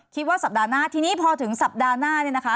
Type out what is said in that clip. คิดว่าสัปดาห์หน้าทีนี้พอถึงสัปดาห์หน้าเนี่ยนะคะ